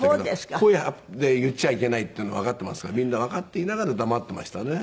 声で言っちゃいけないっていうのわかってますからみんなわかっていながら黙ってましたね。